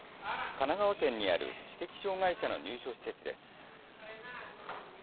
神奈川県にある知的障害者の入所施設です。